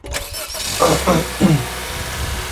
El autor sitúa en una ciudad norteamericano su historia.